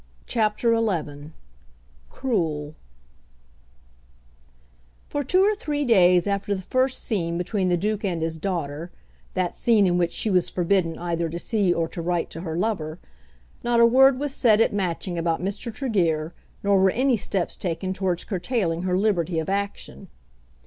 CHAPTER XI "Cruel" For two or three days after the first scene between the Duke and his daughter, that scene in which she was forbidden either to see or to write to her lover, not a word was said at Matching about Mr. Tregear, nor were any steps taken towards curtailing her liberty of action.